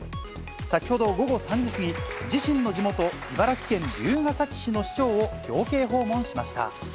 先ほど午後３時過ぎ、自身の地元、茨城県竜ケ崎市の市長を表敬訪問しました。